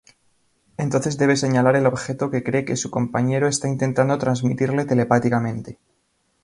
Entonces debe señalar el objeto que cree que su compañero está intentando transmitirle telepáticamente.